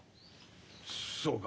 そうか。